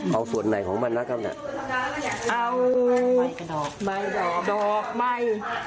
เอาส่วนไหนของมันนะกำลังเนี่ย